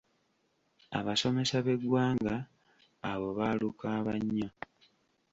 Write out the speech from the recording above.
"Abasomesa b'eggwanga, abo baalukaaba nnyo."